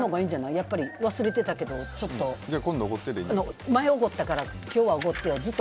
やっぱり、忘れてたけど前おごってたから今度おごってよって。